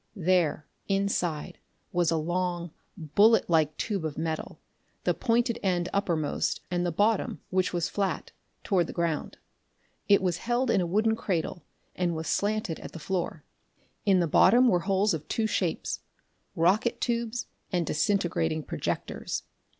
There, inside, was a long, bullet like tube of metal, the pointed end upper most, and the bottom, which was flat, toward the ground. It was held in a wooden cradle, and was slanted at the floor. In the bottom were holes of two shapes rocket tubes and disintegrating projectors.